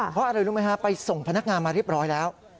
เพราะอะไรรู้ไหมฮะไปส่งพนักงานมาเรียบร้อยแล้ว